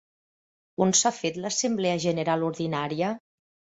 On s'ha fet l'assemblea general ordinària?